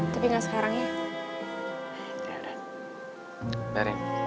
tapi gak sekarang ya